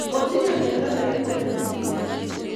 Kotinye mwiondo nekikuren ukimwii